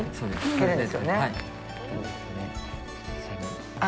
そうですね。